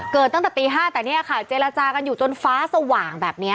ตั้งแต่ตี๕แต่เนี่ยค่ะเจรจากันอยู่จนฟ้าสว่างแบบนี้